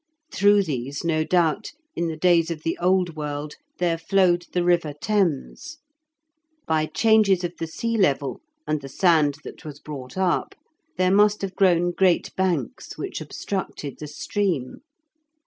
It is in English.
Through these, no doubt, in the days of the old world there flowed the river Thames. By changes of the sea level and the sand that was brought up there must have grown great banks, which obstructed the stream.